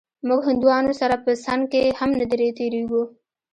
موږ هندوانو سره په څنگ کښې هم نه تېرېږو.